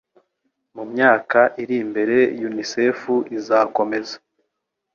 Mu myaka iri imbere UNICEFu izakomeza